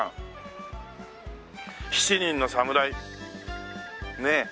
『七人の侍』ねえ。